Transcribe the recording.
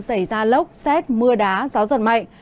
xảy ra lốc xét mưa đá gió giật mạnh